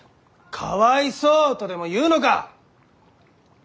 「かわいそう」とでも言うのか！？